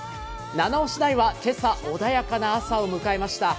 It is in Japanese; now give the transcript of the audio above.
七尾市内は今朝穏やかな朝を迎えました。